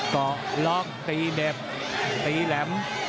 เกาะล็อกตีเด็บตีแหลม